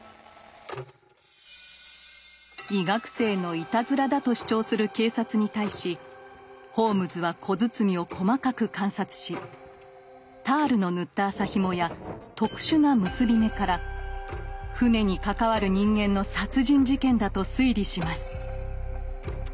医学生のいたずらだと主張する警察に対しホームズは小包を細かく観察しタールの塗った麻ひもや特殊な結び目から船に関わる人間の殺人事件だと推理します。